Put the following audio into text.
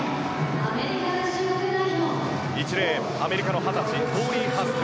１レーン、アメリカの２０歳トーリー・ハスク。